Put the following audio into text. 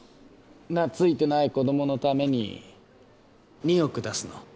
懐いてない子供のために２億出すの？